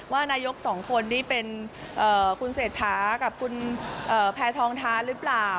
ว่านายกสองคนนี่เป็นคุณเศรษฐากับคุณแพทองทานหรือเปล่า